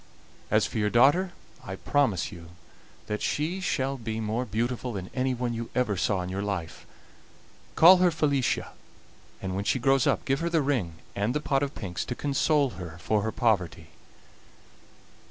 As for your daughter, I promise you that she shall be more beautiful than anyone you ever saw in your life; call her Felicia, and when she grows up give her the ring and the pot of pinks to console her for her poverty.